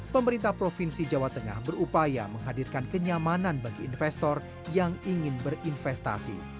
pemerintah provinsi jawa tengah berupaya menghadirkan kenyamanan bagi investor yang ingin berinvestasi